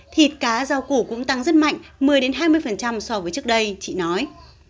thịt cá rau củ cũng tăng rất mạnh một mươi hai mươi so với trước đây chị nói